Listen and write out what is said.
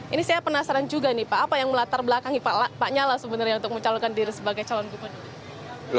ini saya penasaran juga nih pak apa yang melatar belakangi pak nyala sebenarnya untuk mencalonkan diri sebagai calon gubernur